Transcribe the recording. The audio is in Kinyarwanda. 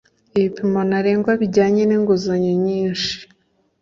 ibipimo ntarengwa bijyanye n inguzanyo nyinshi